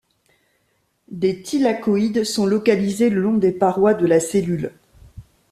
Des thylakoïdes sont localisées le long des parois de la cellules.